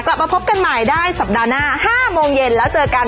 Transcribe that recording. กลับมาพบกันใหม่ได้สัปดาห์หน้า๕โมงเย็นแล้วเจอกัน